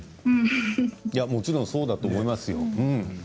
もちろんそうだと思いますよ。